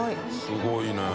すごいね。